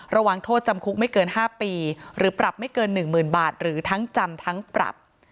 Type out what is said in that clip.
ระวังโทษจำคุกไม่เกิน๕ปีหรือปรับไม่เกิน๑๐๐๐บาทหรือทั้งจำทั้งปรับ